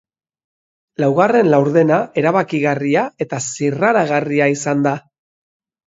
Laugarren laurdena erabakigarria eta zirraragarria izan da.